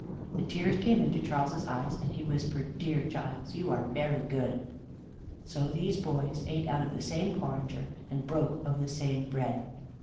The tears came into Charles's eyes, and he whispered: "Dear Giles, you are very good." So these boys ate out of the same porringer, and broke of the same bread.